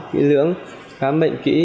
kỹ lưỡng khám bệnh kỹ